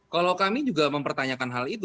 kalau kami juga mempertanyakan hal itu